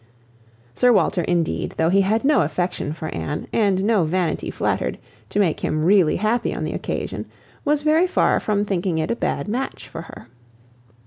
Sir Walter, indeed, though he had no affection for Anne, and no vanity flattered, to make him really happy on the occasion, was very far from thinking it a bad match for her.